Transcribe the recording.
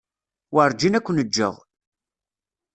Werǧin ad ken-ǧǧeɣ.